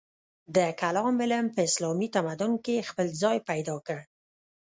د کلام علم په اسلامي تمدن کې خپل ځای پیدا کړ.